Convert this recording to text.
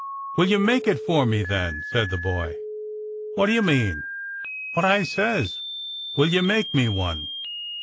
"Will you make it for me, then.? " said the boy. " What do you mean. '^"" What I says — will you make me one?